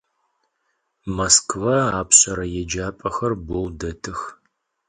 Moskva apşsere yêcap'exer beu detıx.